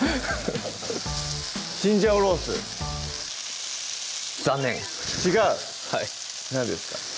チンジャオロースー残念違うはい何ですか？